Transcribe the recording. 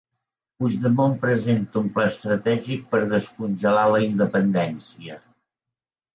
Puigdemont presenta un pla estratègic per descongelar la independència.